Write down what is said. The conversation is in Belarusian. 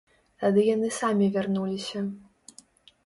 Тады яны самі вярнуліся.